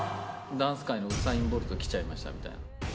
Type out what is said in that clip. ダンス界のウサイン・ボルト来ちゃいましたみたいな。